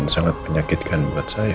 dan sangat menyakitkan buat saya